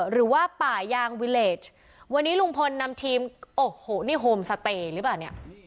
หรือว่าป่ายางวิเลสวันนี้ลุงพลนำทีมโอ้โหนี่โฮมสเตย์หรือเปล่าเนี่ย